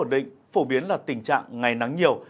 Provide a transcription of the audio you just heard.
ổn định phổ biến là tình trạng ngày nắng nhiều